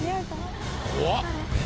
怖っ。